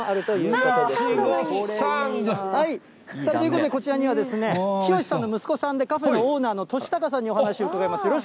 ということで、こちらには喜良さんの息子さんで、カフェのオーナーの敏孝さんにお話伺います。